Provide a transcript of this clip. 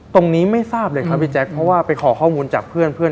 ตรงนี้ไม่ทราบเลยครับพี่แจ๊คเพราะว่าไปขอข้อมูลจากเพื่อน